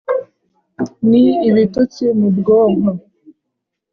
ni ibitutsi mu bwonko